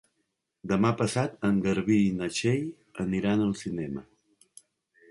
Demà passat en Garbí i na Txell aniran al cinema.